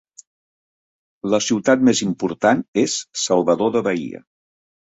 La ciutat més important és Salvador de Bahia.